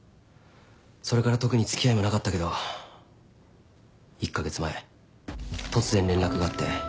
それから特に付き合いもなかったけど１カ月前突然連絡があって。